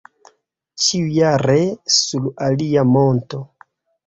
Ĉiujare sur alia monto.